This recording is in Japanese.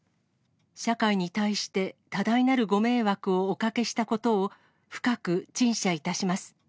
社会に対して多大なるご迷惑をおかけしたことを深く陳謝いたします。